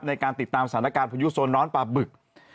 ในการติดตามสถานการณ์พายุโซนร้อนปลาบึก